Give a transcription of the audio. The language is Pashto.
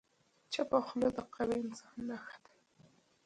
چپه خوله، د قوي انسان نښه ده.